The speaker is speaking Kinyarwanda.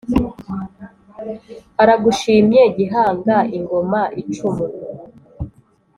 aragushimye gihanga ingoma icumu